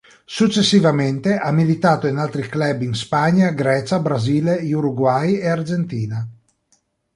Successivamente, ha militato in altri club in Spagna, Grecia, Brasile, Uruguay e Argentina.